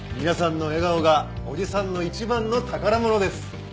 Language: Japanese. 皆さんの笑顔がおじさんの一番の宝物です。